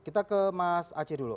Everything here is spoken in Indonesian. kita ke mas aceh dulu